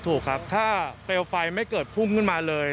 ถูกครับถ้าเปลวไฟไม่เกิดพุ่งขึ้นมาเลย